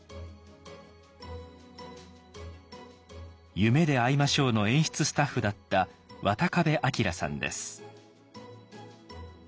「夢であいましょう」の演出スタッフだった渡壁さんです。